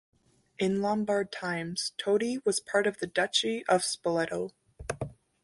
In Lombard times, Todi was part of the Duchy of Spoleto.